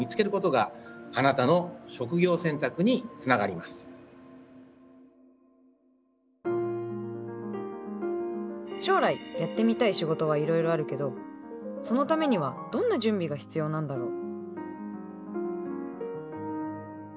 みなさんも例えば将来やってみたい仕事はいろいろあるけどそのためにはどんな準備が必要なんだろう？